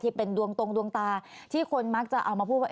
ที่เป็นดวงตรงดวงตาที่คนมักจะเอามาพูดว่า